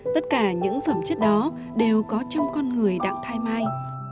tất cả những phẩm chất đó đều có trong con người đặng thái mai